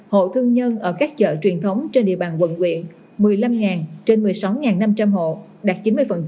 hộ thương nhân ở các chợ truyền thống trên địa bàn quận quyện một mươi năm trên một mươi sáu năm trăm linh hộ đạt chín mươi